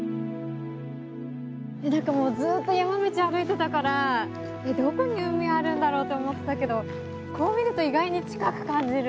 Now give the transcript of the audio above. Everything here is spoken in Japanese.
何かもうずっと山道歩いてたからどこに海あるんだろうと思ってたけどこう見ると意外に近く感じる。